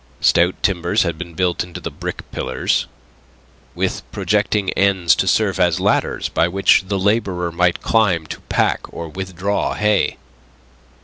Stout timbers had been built into the brick pillars, with projecting ends to serve as ladders by which the labourer might climb to pack or withdraw hay.